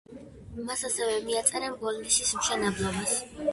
მას ასევე მიაწერენ ბოლნისის მშენებლობას.